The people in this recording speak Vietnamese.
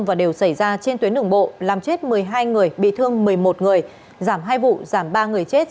và đều xảy ra trên tuyến đường bộ làm chết một mươi hai người bị thương một mươi một người giảm hai vụ giảm ba người chết